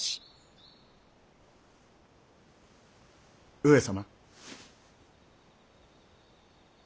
上様。